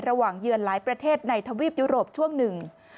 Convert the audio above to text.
เยือนหลายประเทศในทวีปยุโรปช่วงหนึ่ง